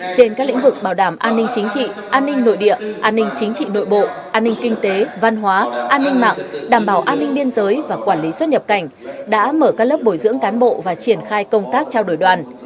trên các lĩnh vực bảo đảm an ninh chính trị an ninh nội địa an ninh chính trị nội bộ an ninh kinh tế văn hóa an ninh mạng đảm bảo an ninh biên giới và quản lý xuất nhập cảnh đã mở các lớp bồi dưỡng cán bộ và triển khai công tác trao đổi đoàn